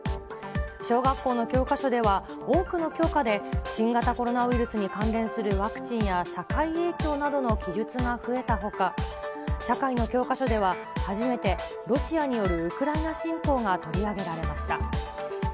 小学校の教科書では、多くの教科で新型コロナウイルスに関連するワクチンや社会影響などの記述が増えたほか、社会の教科書では、初めてロシアによるウクライナ侵攻が取り上げられました。